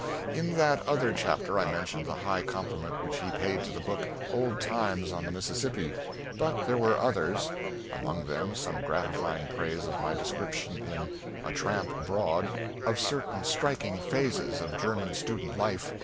In that other chapter I mentioned the high compliment which he paid to the book, "Old Times on the Mississippi," but there were others; among them some gratifying praise of my description in "A Tramp Abroad" of certain striking phases of German student life.